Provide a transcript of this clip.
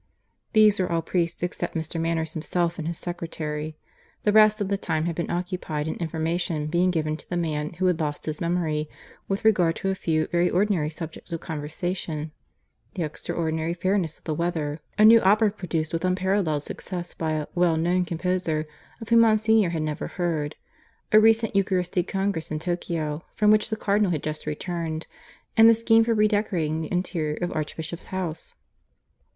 These were all priests except Mr. Manners himself and his secretary. The rest of the time had been occupied in information being given to the man who had lost his memory, with regard to a few very ordinary subjects of conversation the extraordinary fairness of the weather; a new opera produced with unparalleled success by a "well known" composer of whom Monsignor had never heard; a recent Eucharistic congress in Tokio, from which the Cardinal had just returned; and the scheme for redecorating the interior of Archbishop's House.